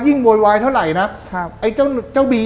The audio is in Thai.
โวยวายเท่าไหร่นะครับไอ้เจ้าเจ้าบี